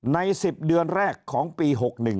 ใน๑๐เดือนแรกของปี๖๑